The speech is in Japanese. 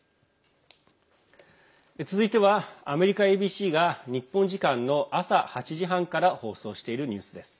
続いては、アメリカＡＢＣが日本時間の朝８時半から放送しているニュースです。